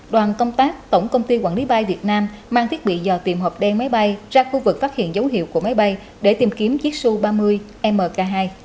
đoàn công tác tổng công ty quản lý bay việt nam mang thiết bị dò tìm hộp đen máy bay ra khu vực phát hiện dấu hiệu của máy bay để tìm kiếm chiếc xu ba mươi mk hai